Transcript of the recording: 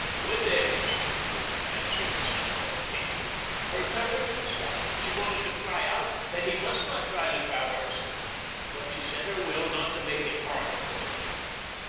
Would they? she wondered, answering his smile faintly. Her courage was sapped. She wanted to cry out that he must not try the traverse, but she set her will not to make it harder for him.